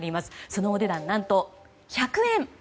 そのお値段、何と１００円。